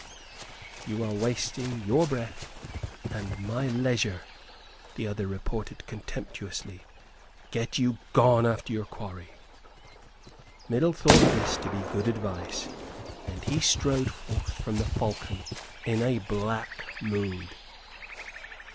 "You are wasting your breath and my leisure," the other retorted, contemptuously. "Get you gone after your quarry." Middle thought this to be good advice, and he strode forth from the "Falcon" in a black mood.